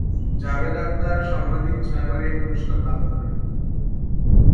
জাভেদ আখতার সর্বাধিক ছয়বার এই পুরস্কার লাভ করেন।